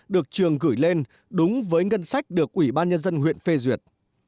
được trường gửi lên đúng với ngân sách được ủy ban nhân dân huyện phê duyệt